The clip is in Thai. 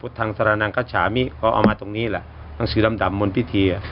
พุทธทางสรนังกัชชามิเขาเอามาตรงนี้แหละหนังสือดำบนพิธี